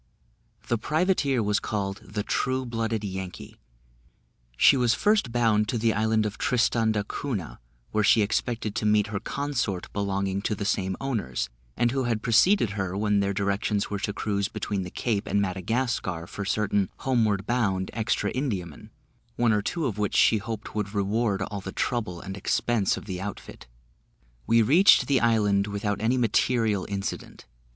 The privateer was called the True blooded Yankee. She was first bound to the island of Tristan d'Acunha, where she expected to meet her consort, belonging to the same owners, and who had preceded her when their directions were to cruise between the Cape and Madagascar, for certain homeward bound extra Indiamen, one or two of which she hoped would reward all the trouble and expense of the outfit. We reached the island without any material incident.